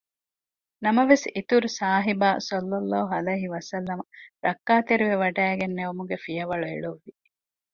ނަމަވެސް އިތުރުސާހިބާ ޞައްލަﷲ ޢަލައިހި ވަސައްލަމަ ރައްކާތެރިވެވަޑައިގެންނެވުމުގެ ފިޔަވަޅު އެޅުއްވި